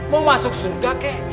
mau masuk surga kek